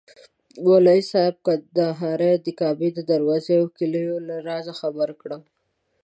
مولوي صاحب کندهاري د کعبې د دروازې او کیلیو له رازه خبر کړم.